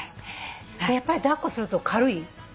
やっぱり抱っこすると軽い？